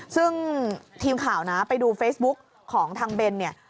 ซึ่งทีมข่าวนะไปดูเฟซบุ๊กของทางเบนเนี่ย